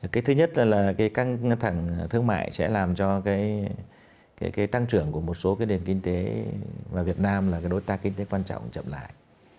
cái thứ nhất là cái căng thẳng thương mại sẽ làm cho cái tăng trưởng của một số cái nền kinh tế và việt nam là cái đối tác kinh tế quan trọng chậm lại